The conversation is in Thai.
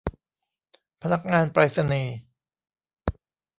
พนักงานไปรษณีย์